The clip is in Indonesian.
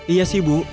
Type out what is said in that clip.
iya sih bu